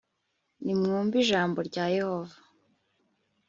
nimwumve ijambo rya yehova